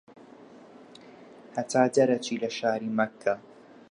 هەتا دەرئەچی لە شاری مەککە